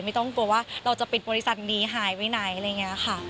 ไม่ต้องกลัวว่าเราจะปิดบริษัทนี้หายไปไหน